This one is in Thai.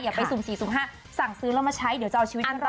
อย่าไปซุ่มสี่ซุ่มห้าสั่งซื้อแล้วมาใช้เดี๋ยวจะเอาชีวิตให้รอบ